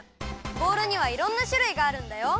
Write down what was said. ボウルにはいろんなしゅるいがあるんだよ。